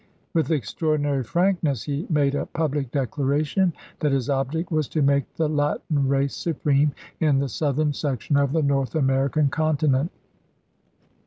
With extraordinary frankness he made a public declaration that his object was to make the Latin race supreme in the Southern section of the North American continent.